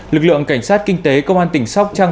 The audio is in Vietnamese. lực lượng cảnh sát kinh tế công an tỉnh sóc trăng